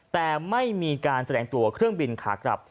แต่ไม่มีการแสดงตัวเครื่องบินขากลับ